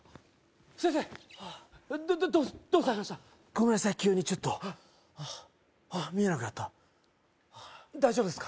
ごめんなさい急にちょっとあっ見えなくなった大丈夫ですか？